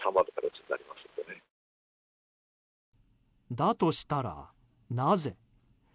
だとしたら、なぜ？